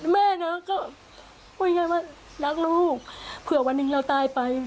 แม่นะก็รักลูกเผื่อวันนึงเราตายไป